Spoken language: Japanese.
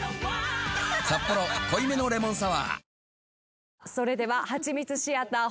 「サッポロ濃いめのレモンサワー」